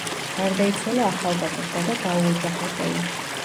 გარდაიცვალა ახალგაზრდა და დაუოჯახებელი.